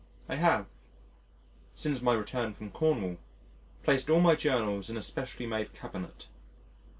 ] I have since my return from Cornwall placed all my journals in a specially made cabinet.